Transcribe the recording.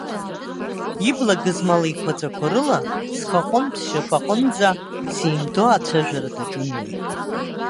Ибла гызмал еиқәаҵәақәа рыла схаҟынтәсшьапаҟынӡа сеимдо ацәажәара даҿын уи.